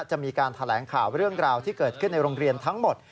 จะมีการแถลงข่าวเรื่องราวที่เกิดขึ้นในโรงเรียนทั้งหมด